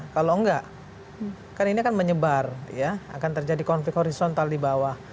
kalau enggak kan ini kan menyebar ya akan terjadi konflik horizontal di bawah